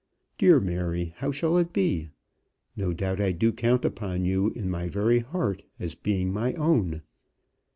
Dear Mary, how shall it be? No doubt I do count upon you in my very heart as being my own.